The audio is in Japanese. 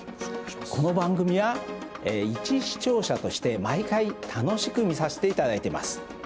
この番組はいち視聴者として毎回楽しく見させていただいてます。